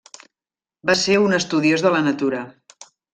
Va ser un estudiós de la natura.